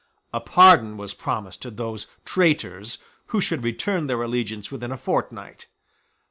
A pardon was promised to those traitors who should return to their allegiance within a fortnight.